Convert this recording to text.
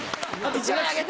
１枚あげて！